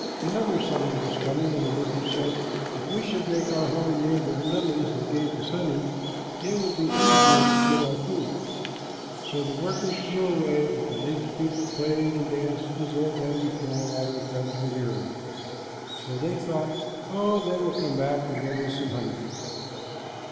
Another summer was coming, and the workers said, "If we should make our home near the lilies that give us honey, it would be easier to get our food." So the workers flew away, but the lazy people played and danced as they had done before while their friends were near, for they thought, "Oh, they will come back and bring us some honey."